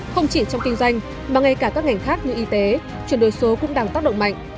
không chỉ trong kinh doanh mà ngay cả các ngành khác như y tế chuyển đổi số cũng đang tác động mạnh